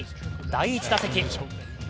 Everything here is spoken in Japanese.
第１打席。